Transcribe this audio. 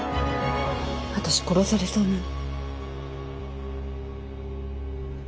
私殺されそうなの。